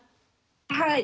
はい。